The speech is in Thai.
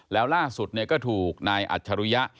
แล้วล่าสุดก็ถูกนายอัจฉริยะ